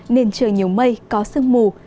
nên trời nhiều mây có sương mù